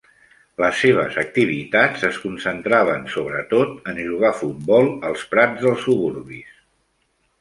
Les seves activitats es concentraven sobretot en jugar futbol als prats dels suburbis.